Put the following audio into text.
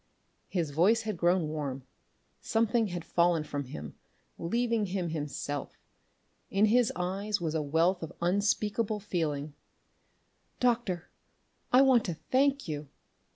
His voice had grown warm. Something had fallen from him leaving him himself. In his eyes was a wealth of unspeakable feeling. "Doctor, I want to thank you!"